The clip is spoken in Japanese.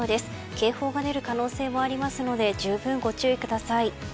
警報が出る可能性もありますので十分、ご注意ください。